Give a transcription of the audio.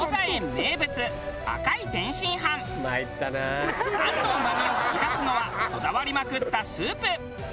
名物餡のうまみを引き出すのはこだわりまくったスープ。